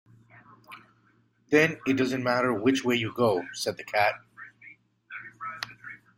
‘Then it doesn’t matter which way you go,’ said the Cat.